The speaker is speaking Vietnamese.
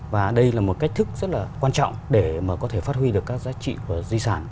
và đây là một cách thức rất là quan trọng để mà có thể phát huy được các giá trị của di sản